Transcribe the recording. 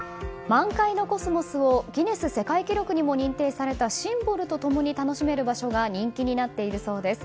満開のコスモスをギネス世界記録にも認定されたシンボルと共に楽しめる場所が人気になっているそうです。